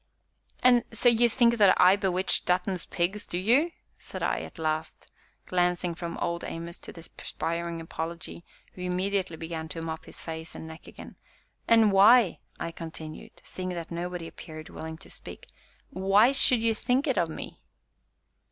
"And so you think that I bewitched Dutton's pigs, do you?" said I, at last, glancing from Old Amos to the perspiring Apology (who immediately began to mop at his face and neck again). "And why," I continued, seeing that nobody appeared willing to speak, "why should you think it of me?"